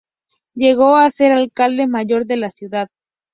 Llegó a ser alcalde mayor de la ciudad.